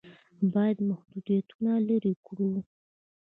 باید محدودیتونه لرې کړو.